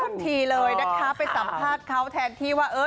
ไม่มี